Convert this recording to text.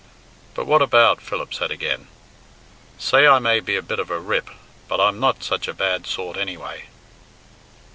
"But what about?" Philip said again. "Say I may be a bit of a rip, but I'm not such a bad sort anyway.